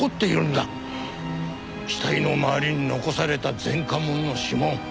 死体の周りに残された前科者の指紋。